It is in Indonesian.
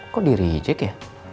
kok dirijek ya